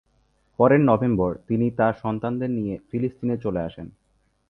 পরের নভেম্বর, তিনি তার সন্তানদের নিয়ে ফিলিস্তিনে চলে আসেন।